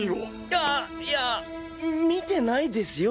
あ！いや見てないですよ。